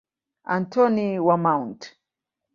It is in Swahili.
Antoni wa Mt.